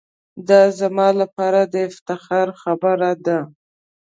دا زما لپاره دافتخار خبره ده.